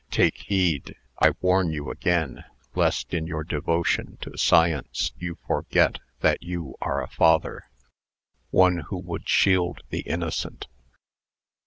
Take heed I warn you again lest, in your devotion to science, you forget that you are a father. ONE WHO WOULD SHIELD THE INNOCENT.